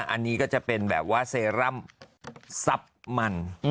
อันนี้ก็จะเป็นแบบว่าเซรั่มซับมัน